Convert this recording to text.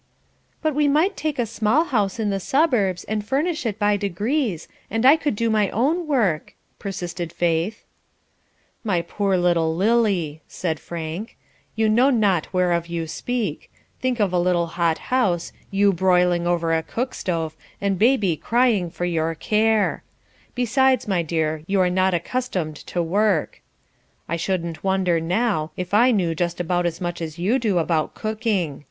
"But we might take a small house in the suburbs and furnish it by degrees, and I could do my own work," persisted Faith. "My poor little white lily," said Frank, "you know not whereof you speak, Think of a little hot house, you broiling over a cook stove, and baby crying for your care; besides, my dear, you are not accustomed to work. I shouldn't wonder, now, if I knew just about as, much as you do about cooking.